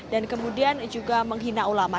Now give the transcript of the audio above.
dan kemudian juga menghina ulama